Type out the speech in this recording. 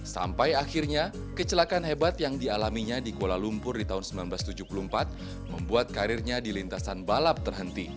sampai akhirnya kecelakaan hebat yang dialaminya di kuala lumpur di tahun seribu sembilan ratus tujuh puluh empat membuat karirnya di lintasan balap terhenti